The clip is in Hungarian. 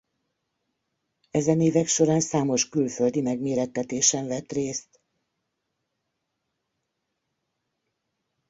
Ezen évek során számos külföldi megmérettetésen vett részt.